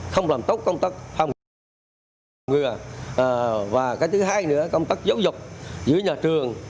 không làm tốt công tác phòng ngừa và cái thứ hai nữa công tác giấu dục giữa nhà trường